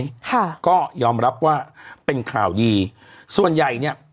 ค่ะก็ยอมรับว่าเป็นข่าวดีส่วนใหญ่เนี้ย